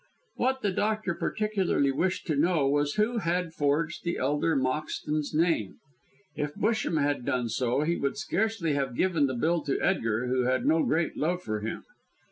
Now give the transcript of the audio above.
What the doctor particularly wished to know was who had forged the elder Moxton's name? If Busham had done so he would scarcely have given the bill to Edgar, who had no great love for him.